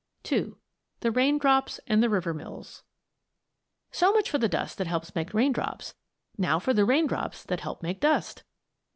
II. THE RAINDROPS AND THE RIVER MILLS So much for the dust that helps make raindrops; now for the raindrops that help make dust.